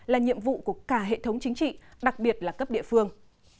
là nhiệm vụ của cả hệ thống chính trị đặc biệt là cấp địa phương